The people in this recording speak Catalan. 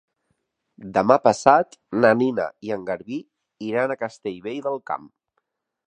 Demà passat na Nina i en Garbí iran a Castellvell del Camp.